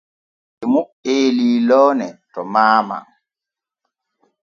Leemu eelii loone to maama.